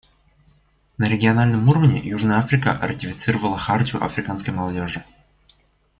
На региональном уровне Южная Африка ратифицировала Хартию африканской молодежи.